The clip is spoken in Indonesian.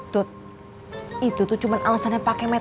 tut itu tuh cuma alesannya pak kemet